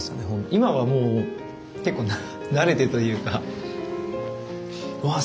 今はもう結構慣れてというか「うわっ！